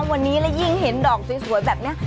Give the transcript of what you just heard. วันนี้และยิ่งเห็นดอกสวยแบบนี้